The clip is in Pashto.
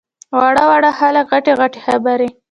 واړه واړه خلک غټې غټې خبرې!